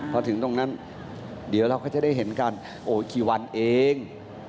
พอถึงตรงนั้นเดี๋ยวเราก็จะได้เห็นกันโอ้ยกี่วันเอง